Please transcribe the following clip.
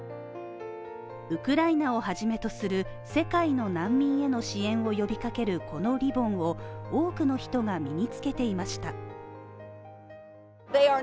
ウクライナをはじめとする、世界の難民への支援を呼びかけるこのリボンを多くの人が身につけていました。